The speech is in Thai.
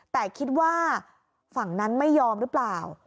แต่คิดว่าฝั่งนั้นไม่ยอมหรือเปล่า